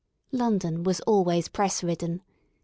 London was always press ridden.